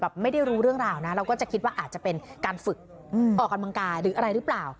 ไม่ได้รู้เรื่องราวนะเราก็จะคิดว่าอาจจะเป็นการฝึกออกกำลังกายหรืออะไรหรือเปล่า